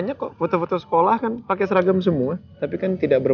gak tau kayaknya formal banget